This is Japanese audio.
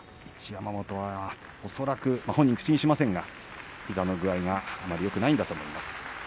一山本は本人、口にしませんが膝の具合がよくないんだと思います。